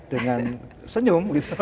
dengan senyum gitu